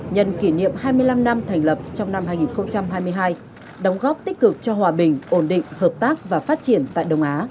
nhân kỷ niệm hai mươi năm năm thành lập trong năm hai nghìn hai mươi hai đóng góp tích cực cho hòa bình ổn định hợp tác và phát triển tại đông á